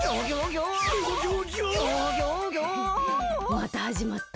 またはじまった。